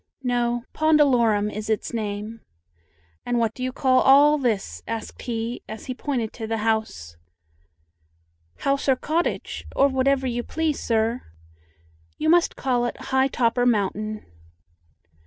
"No, 'pondalorum' is its name. And what do you call all this?" asked he, as he pointed to the house. "House or cottage, or whatever you please, sir." "You must call it 'high topper mountain.'"